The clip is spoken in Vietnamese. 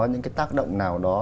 những cái tác động nào đó